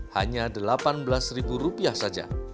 hanya delapan belas ribu rupiah saja